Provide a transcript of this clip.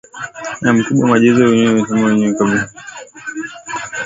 Mkubwa majizzo naweza kusema wewe kwa binafsi yako una mchango mkubwa kwenye muziki wetu